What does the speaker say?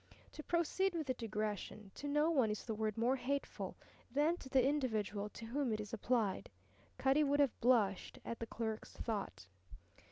To proceed with the digression, to no one is the word more hateful than to the individual to whom it is applied. Cutty would have blushed at the clerk's thought.